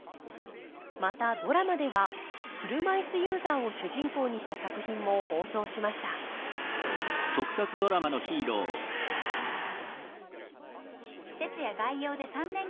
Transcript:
またドラマでは車いすユーザーを主人公にした作品も放送しました「施設や外洋で３年間」。